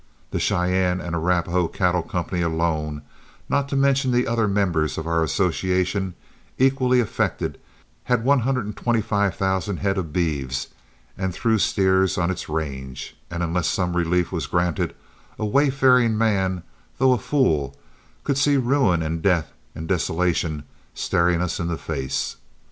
The Cheyenne and Arapahoe Cattle Company, alone, not to mention the other members of our association equally affected, had one hundred and twenty five thousand head of beeves and through steers on its range, and unless some relief was granted, a wayfaring man though a fool could see ruin and death and desolation staring us in the face.